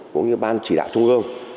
cũng như ban chỉ đạo trung gương